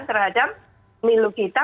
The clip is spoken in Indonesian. terhadap pemilu kita